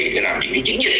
để làm những cái chiến dịch